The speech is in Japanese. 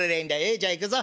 じゃあ行くぞ。